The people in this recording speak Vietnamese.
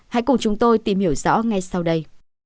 hãy cùng chúng tôi tìm hiểu rõ ngay sau đây